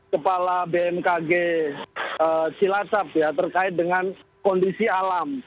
kepala bmkg silasap ya terkait dengan kondisi alam